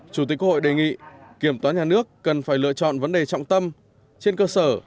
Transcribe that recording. chủ tịch quốc hội đề nghị kiểm toán nhà nước cần phải lựa chọn vấn đề trọng tâm trên cơ sở